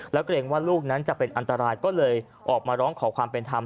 แล้วเกรงว่าลูกนั้นจะเป็นอันตรายก็เลยออกมาร้องขอความเป็นธรรม